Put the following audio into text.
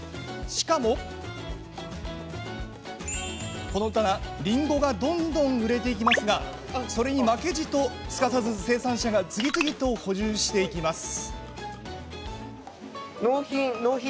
しかもこの棚、りんごがどんどん売れていきますがそれに負けじと、すかさず生産者が次々と補充しています。